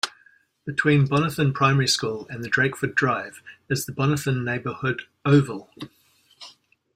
Between Bonython Primary School and Drakeford Drive is the Bonython Neighbourhood oval.